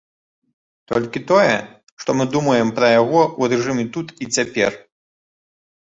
Толькі тое, што мы думаем пра яго ў рэжыме тут і цяпер.